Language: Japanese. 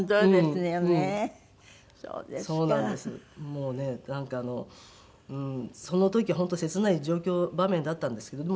もうねなんかあのその時は本当切ない状況場面だったんですけど。